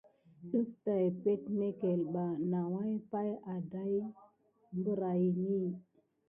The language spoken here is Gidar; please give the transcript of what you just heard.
Ɗəf tay peɗmekel ɓa nawua pay adaye birayini.